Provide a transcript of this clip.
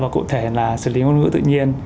và cụ thể là xử lý ngôn ngữ tự nhiên